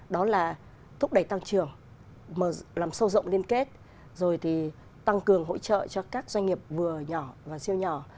đó là thúc đẩy tăng trưởng làm sâu rộng liên kết rồi thì tăng cường hỗ trợ cho các doanh nghiệp vừa nhỏ và siêu nhỏ